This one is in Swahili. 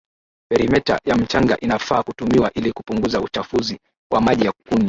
Peerimeta ya mchanga inafaa kutumiwa ili kupunguza uchafuzi wa maji ya kunywa